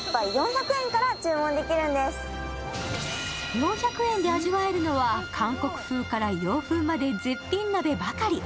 ４００円で味わえるのは韓国風から洋風まで絶品鍋ばかり。